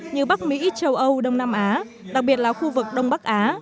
như bắc mỹ châu âu đông nam á đặc biệt là khu vực đông bắc á